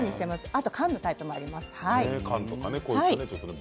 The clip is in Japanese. あと、缶のタイプもあります。